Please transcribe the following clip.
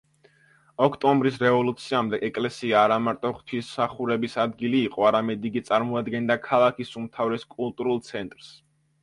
ოქტომბრის რევოლუციამდე ეკლესია არამარტო ღვთისმსახურების ადგილი იყო, არამედ იგი წარმოადგენდა ქალაქის უმთავრეს კულტურულ ცენტრს.